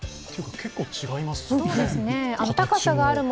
結構違いますね、形も。